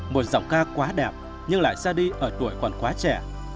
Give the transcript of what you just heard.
một giọng ca quá đẹp nhưng lại ra đi ở tuổi còn quá trẻ